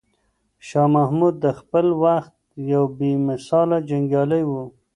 شاه محمود د خپل وخت یو بې مثاله جنګیالی و.